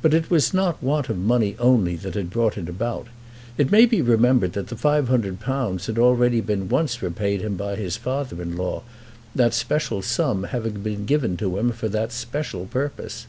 But it was not want of money only that had brought it about. It may be remembered that the £500 had already been once repaid him by his father in law, that special sum having been given to him for that special purpose.